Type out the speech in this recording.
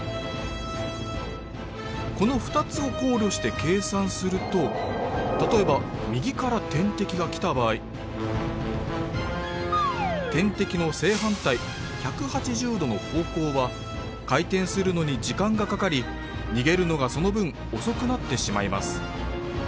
この２つを考慮して計算すると例えば右から天敵が来た場合天敵の正反対１８０度の方向は回転するのに時間がかかり逃げるのがその分遅くなってしまいます。